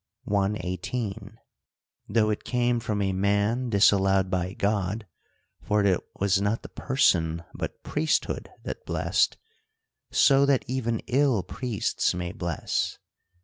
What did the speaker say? i. 18), though it came from a man disallowed by God : for it was not the person, but priesthood, that blessed; so that even ill priests may bless.